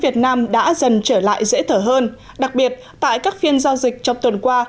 tần trở lại dễ thở hơn đặc biệt tại các phiên giao dịch trong tuần qua